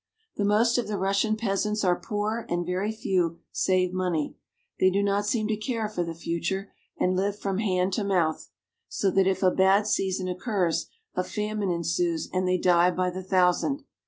^The most of the Russian peasants are poor and very few save money. They do not seem to care for the future, and live from hand to mouth ; so that if a bad season occurs, a famine ensues and they die by the thousand.